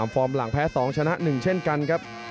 ฟอร์มหลังแพ้๒ชนะ๑เช่นกันครับ